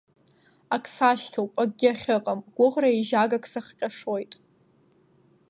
Акы сашьҭоуп акгьы ахьыҟам, гәыӷра еижьагак сахҟьашоит.